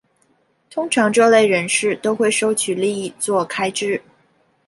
通常这类人士都会收取利益作开支。